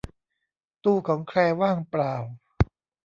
ตู้ของแคลร์ว่างเปล่า